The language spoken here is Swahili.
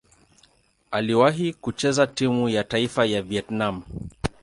Aliwahi kucheza timu ya taifa ya Vietnam.